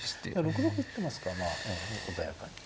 ６六打ってますかまあ穏やかに。